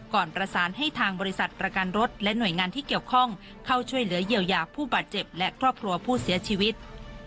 ก่อนประสานให้ทางบริษัทประกันรถและหน่วยงานที่เกี่ยวข้องเข้าช่วยเหลือเยียวยาผู้บาดเจ็บและครอบครัวผู้เสียชีวิต